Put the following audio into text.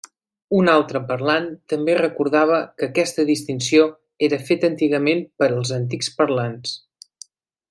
Un altre parlant també recordava que aquesta distinció era feta antigament pels antics parlants.